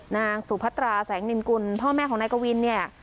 นางสุพัตราแสงนินกุลพ่อแม่ของนายกวินเนี่ย